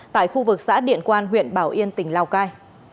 tại khu vực xã điện quan huyện bảo yên tỉnh lào cai